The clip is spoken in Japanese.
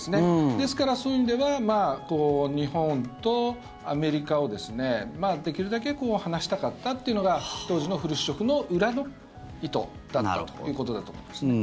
ですからそういう意味では日本とアメリカをできるだけ離したかったというのが当時のフルシチョフの裏の意図だったということだと思いますね。